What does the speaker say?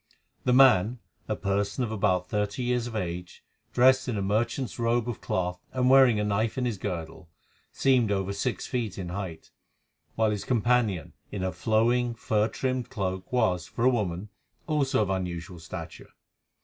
The man, a person of about thirty years of age, dressed in a merchant's robe of cloth, and wearing a knife in his girdle, seemed over six feet in height, while his companion, in her flowing, fur trimmed cloak, was, for a woman, also of unusual stature.